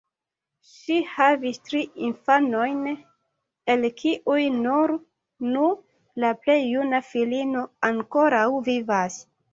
Ŝi havis tri infanojn, el kiuj nur unu, la plej juna filino, ankoraŭ vivas.